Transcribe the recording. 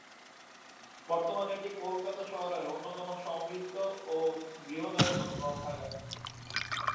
বর্তমানে এটি কলকাতা শহরের অন্যতম সমৃদ্ধ ও বৃহদায়তন গ্রন্থাগার।